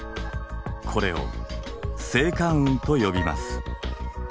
これを星間雲と呼びます。